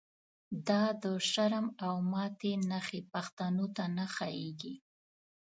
دا دشرم او ماتی نښی، پښتنوته نه ښاییږی